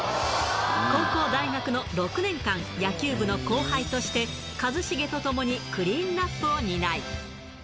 高校、大学の６年間、野球部の後輩として、一茂と共にクリーンナップを担い。